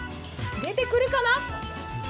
出てくるかな？